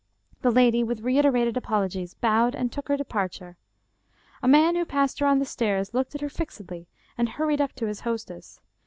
The lady, with reiterated apologies, bowed and took her departure. A man who passed her on the stairs looked at her fixedly and hurried up to his hostess.